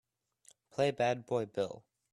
Play Bad Boy Bill